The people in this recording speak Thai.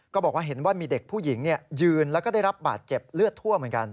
ก็บอกว่าเห็นว่ามีเด็กผู้หญิงยืนแล้วก็ได้รับบาดเจ็บเลือดทั่วเหมือนกัน